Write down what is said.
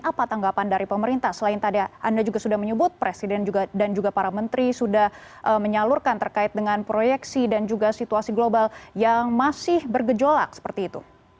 apa tanggapan dari pemerintah selain tadi anda juga sudah menyebut presiden dan juga para menteri sudah menyalurkan terkait dengan proyeksi dan juga situasi global yang masih bergejolak seperti itu